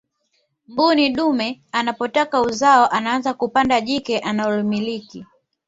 mbuni dume anapotaka uzao anaanza kupanda jike analomiliki